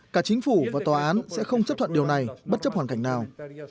cả chính phủ và tòa án sẽ không chấp thuận điều này bất chấp hoàn cảnh nào